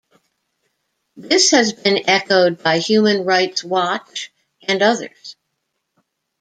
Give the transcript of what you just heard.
This has been echoed by Human Rights Watch and others.